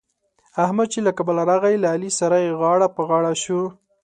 احمد چې له کابله راغی؛ له علي سره غاړه په غاړه شو.